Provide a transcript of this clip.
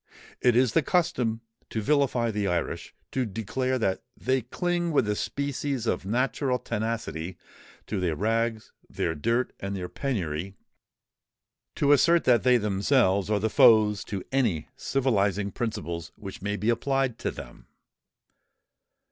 It is the custom to vilify the Irish—to declare that they cling with a species of natural tenacity to their rags, their dirt, and their penury—to assert that they themselves are the foes to any civilizing principles which may be applied to them.